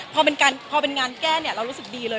พอเป็นงานแก้เนี่ยเรารู้สึกดีเลย